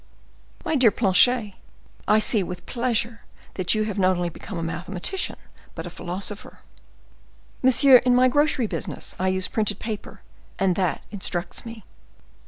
"My dear Planchet, I see with pleasure that you have not only become a mathematician, but a philosopher." "Monsieur, in my grocery business I use much printed paper, and that instructs me."